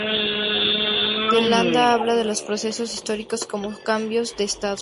De Landa habla de los procesos históricos como cambios de estado.